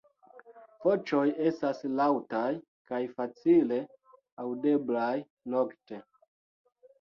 Voĉoj estas laŭtaj kaj facile aŭdeblaj nokte.